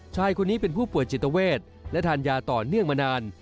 ชายคนนี้เป็นผู้ป่วยจิตเวทและทานยาต่อเนื่องมานาน